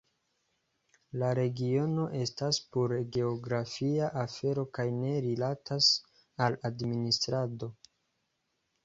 La regiono estas pure geografia afero kaj ne rilatas al administrado.